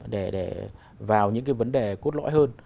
để vào những cái vấn đề cốt lõi hơn